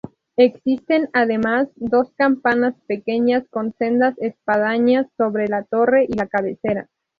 Existen, además, dos campanas pequeñas en sendas espadañas sobre la torre y la cabecera.